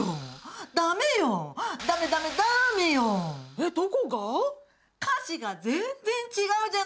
えっ、どこが？